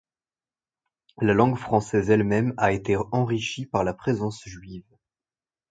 La langue française elle-même a été enrichie par la présence juive.